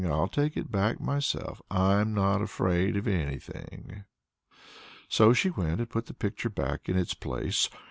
I'll take it back myself. I'm not afraid of anything!" So she went and put the picture back in its place.